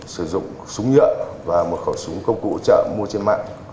sử dụng súng nhựa và một khẩu súng công cụ hỗ trợ mua trên mạng